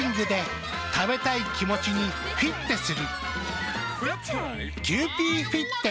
食べたい気持ちにフィッテする。